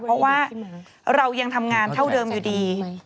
เพราะว่าเรายังทำงานเท่าเดิมอยู่ดี